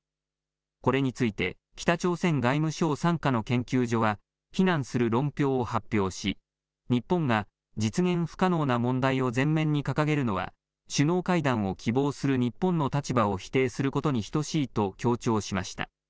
これについて北朝鮮外務省傘下の研究所は非難する論評を発表し日本が実現不可能な問題を前面に掲げるのは首脳会談を希望する日本の立場を否定することに等しいと強調しました。